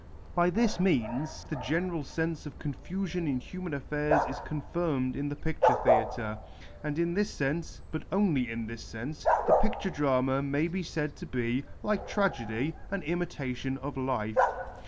By this means the general sense of con fusion in human affairs is confirmed in the picture theatre, and in this sense, but only in this sense, the picture drama may be said to be, like tragedy, an imitation of life.